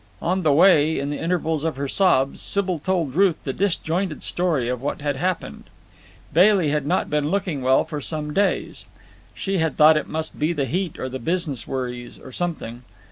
On the way, in the intervals of her sobs, Sybil told Ruth the disjointed story of what had happened. Bailey had not been looking well for some days. She had thought it must be the heat or business worries or something.